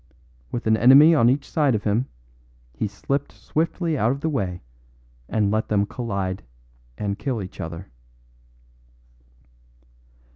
With an enemy on each side of him, he slipped swiftly out of the way and let them collide and kill each other."